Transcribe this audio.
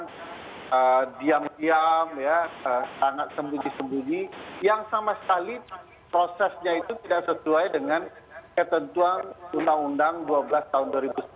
yang sama sekali prosesnya itu tidak sesuai dengan ketentuan undang undang dua belas tahun dua ribu sebelas